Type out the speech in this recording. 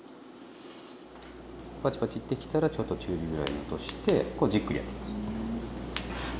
パチパチいってきたらちょっと中火ぐらいに落としてこうじっくりやってきます。